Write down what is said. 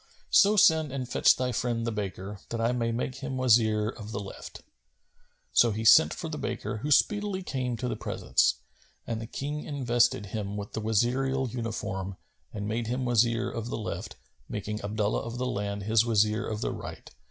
So send and fetch thy friend the baker, that I may make him my Wazir of the left."[FN#254] So he sent for the baker who speedily came to the presence, and the King invested him with the Wazirial uniform and made him Wazir of the left, making Abdullah of the Land his Wazir of the right.